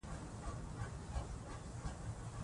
د اړتیا په وخت کې وینه ورکړئ.